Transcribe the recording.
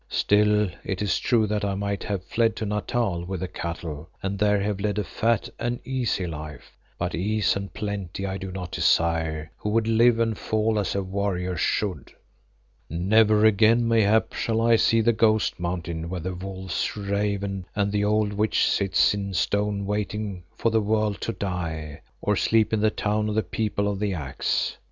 Still, it is true that I might have fled to Natal with the cattle and there have led a fat and easy life. But ease and plenty I do not desire who would live and fall as a warrior should. "Never again, mayhap, shall I see the Ghost Mountain where the wolves ravened and the old Witch sits in stone waiting for the world to die, or sleep in the town of the People of the Axe.